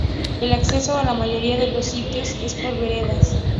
El acceso a la mayoría de los sitios es por veredas.